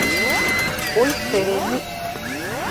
Ой, шеремет!..